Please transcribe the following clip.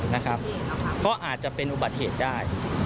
เพราะอาจจะเป็นอุบัติเหตุได้